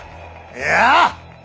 いや。